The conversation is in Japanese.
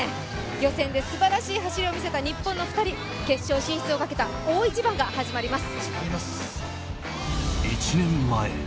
予選ですばらしい走りを見せた日本の２人、決勝進出をかけた大一番が始まります。